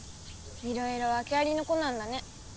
いろいろわけありの子なんだね。